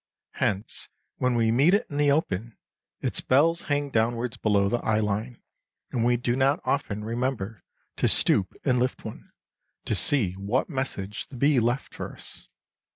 Hence when we meet it in the open, its bells hang downwards below the eye line, and we do not often remember to stoop and lift one, to see what message the bee left for us.